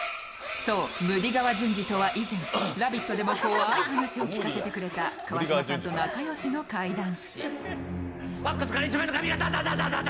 ムディ川淳二とは以前、「ラヴィット！」でも怖い話を聞かせてくれた川島さんと仲良しの怪談師。